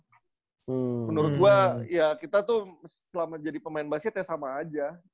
menurut gue ya kita tuh selama jadi pemain basket ya sama aja